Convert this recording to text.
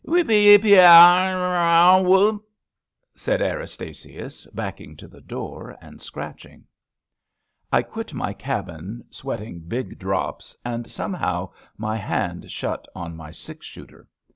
'* Wheepee yeepee ya ya ya woopt ' said Erastasius, backing to the door and scratching. I quit my cabin sweating big drops, and some how my hand shut on my six shooter.